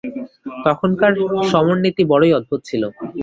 তখনকার সমরনীতি বড়ই অদ্ভুত ছিল।